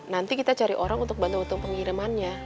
nanti kita cari orang untuk bantu untung pengirimannya